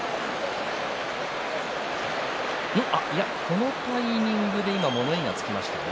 このタイミングで今、物言いがつきましたね。